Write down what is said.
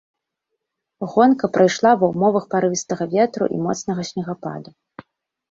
Гонка прайшла ва ўмовах парывістага ветру і моцнага снегападу.